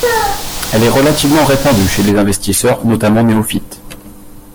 Elle est relativement répandue chez les investisseurs, notamment néophytes.